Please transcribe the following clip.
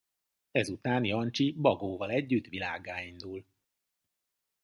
Ezután Jancsi Bagóval együtt világgá indul.